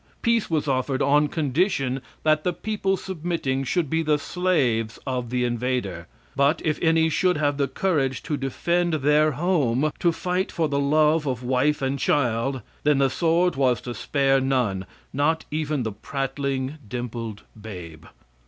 Peace was offered on condition that the people submitting should be the slaves of the invader; but if any should have the courage to defend their home, to fight for the love of wife and child, then the sword was to spare none not even the prattling, dimpled babe.